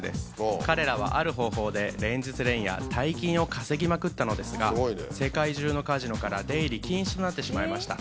彼らはある方法で連日連夜大金を稼ぎまくったのですが世界中のカジノから出入り禁止となってしまいました。